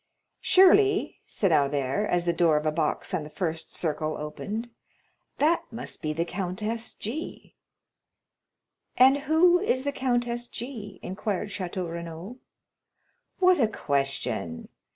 "Surely," said Albert, as the door of a box on the first circle opened, "that must be the Countess G——." "And who is the Countess G——?" inquired Château Renaud. "What a question!